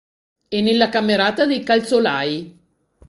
E nella camerata dei calzolai.